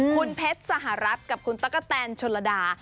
คุณเพชรสหรัฐกับคุณตั๊กกะแตนชนระดา